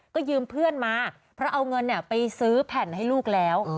ก็ยืมเพื่อนมาเพราะเอาเงินไปซื้อแผ่นให้ลูกแล้ว